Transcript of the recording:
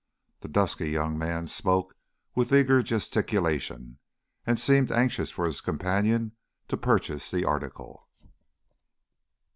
The dusky young man spoke with eager gesticulation, and seemed anxious for his companion to purchase the article.